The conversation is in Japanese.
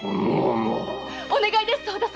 お願いです！